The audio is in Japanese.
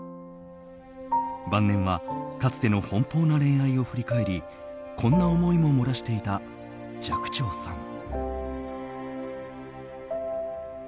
晩年はかつての奔放な恋愛を振り返りこんな思いも漏らしていた寂聴さん。